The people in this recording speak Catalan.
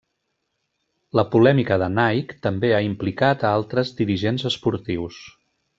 La polèmica de Nike també ha implicat a altres dirigents esportius.